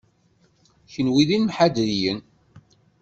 Kenwi d imḥadriyen.